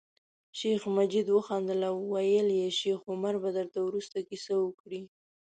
شیخ مجید وخندل او ویل یې شیخ عمر به درته وروسته کیسه وکړي.